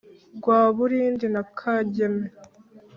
rwaburindi na kageme